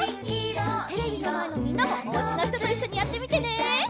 テレビのまえのみんなもおうちのひとといっしょにやってみてね！